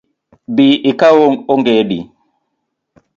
Bi ikaw ongedi